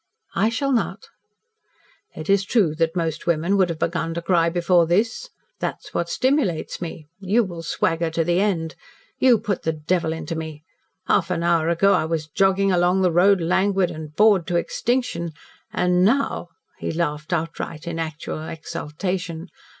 "I shall not." "It's true that most women would have begun to cry before this. That is what stimulates me. You will swagger to the end. You put the devil into me. Half an hour ago I was jogging along the road, languid and bored to extinction. And now " He laughed outright in actual exultation.